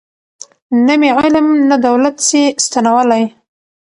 نه مي علم نه دولت سي ستنولای